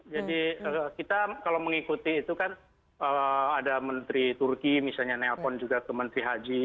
jadi kita kalau mengikuti itu kan ada menteri turki misalnya nelpon juga ke menteri haji